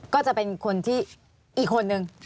ก็จะเป็นคนที่อีกคนนึง